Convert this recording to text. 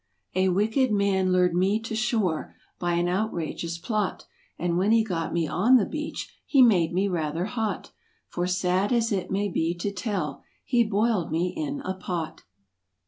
34 "A wicked man lured me to shore By an outrageous plot, And when he got me on the beach He made me rather hot, For sad as it may be to tell He boiled me in a pot."